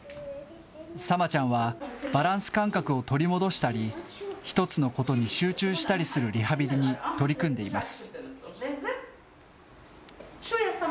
サマちゃんはバランス感覚を取り戻したり、１つのことに集中したりするリハビリに取り組んでいます。